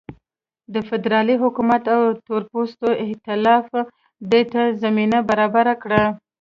د فدرالي حکومت او تورپوستو اېتلاف دې ته زمینه برابره کړه.